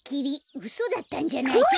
うそだったんじゃないかな。